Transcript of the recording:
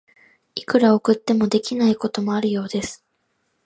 いくら送っても、できないこともあるようです。